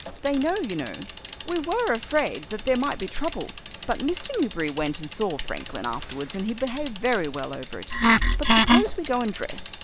They know, you know. We were afraid that there might be trouble, but Mr. Newberry went and saw Franklin afterwards and he behaved very well over it. But suppose we go and dress?